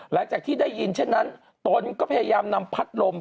หลังจากที่ได้ยินเช่นนั้นตนก็พยายามนำพัดลม